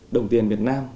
đồng tiền việt nam